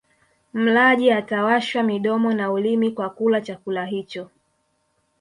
Mlaji atawashwa midomo na ulimi kwa kula chakula hicho